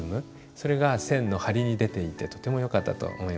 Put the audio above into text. それが線の張りに出ていてとてもよかったと思います。